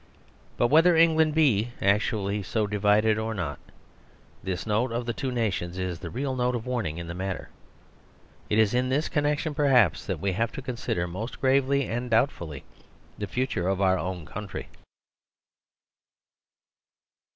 But whether Eng land be actually so divided or not, this note of 188 The Superstition of Divorce the two nations is the real note of warning in the matter. It is in this connection, perhaps, that we have to consider most gravely and doubtfully the future of our own country.